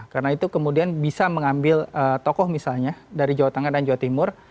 karena itu kemudian bisa mengambil tokoh misalnya dari jawa tengah dan jawa timur